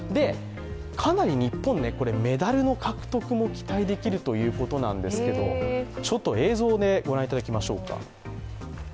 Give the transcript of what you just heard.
かなり日本、メダルの獲得も期待できるということなんですが、映像でご覧いただきましょうか。